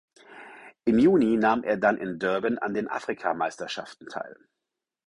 Im Juni nahm er dann in Durban an den Afrikameisterschaften teil.